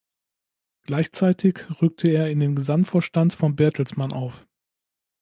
Gleichzeitig rückte er in den Gesamtvorstand von Bertelsmann auf.